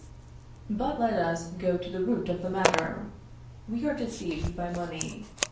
But let us go to the root of the matter. We are deceived by money.